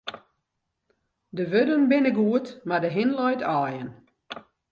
De wurden binne goed, mar de hin leit aaien.